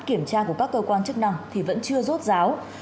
kiểm tra của các cơ quan chức năng thì vẫn chưa rốt ráo